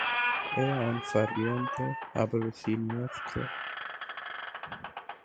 Era un ferviente abolicionista y amigo de John Brown.